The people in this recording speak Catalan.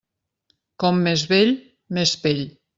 Com més vell, més pell.